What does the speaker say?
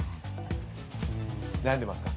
悩んでますか？